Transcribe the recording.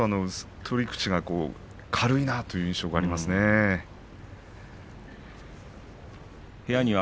取り口が軽いなという印象がありますね、剣翔のほうは。